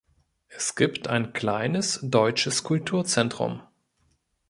Es gibt ein kleines deutsches Kulturzentrum.